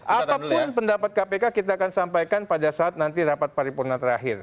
apapun pendapat kpk kita akan sampaikan pada saat nanti rapat paripurna terakhir